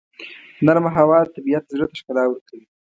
نرمه هوا د طبیعت زړه ته ښکلا ورکوي.